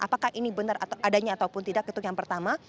apakah ini benar atau adanya ataupun tidak itu yang pertama